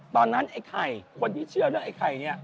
ไอ้ไข่คนที่เชื่อเรื่องไอ้ไข่เนี่ย